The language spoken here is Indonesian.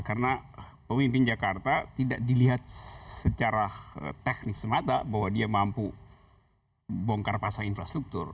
karena pemimpin jakarta tidak dilihat secara teknis semata bahwa dia mampu bongkar pasar infrastruktur